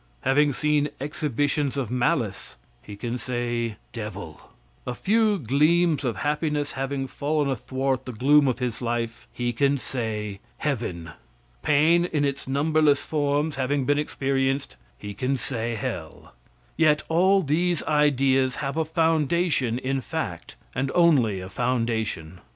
Having seen exhibitions of malice, he can say, devil. A few gleams of happiness having fallen athwart the gloom of his life, he can say, heaven. Pain, in its numberless forms, having been experienced, he can say, hell. Yet all these ideas have a foundation in fact, and only a foundation.